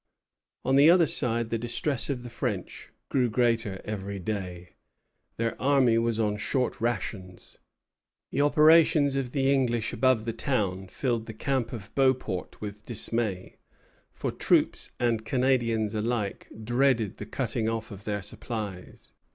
On the other side, the distress of the French grew greater every day. Their army was on short rations. The operations of the English above the town filled the camp of Beauport with dismay, for troops and Canadians alike dreaded the cutting off of their supplies.